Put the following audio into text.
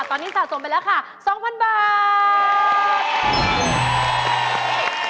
ตอนนี้สะสมไปแล้วค่ะ๒๐๐๐บาท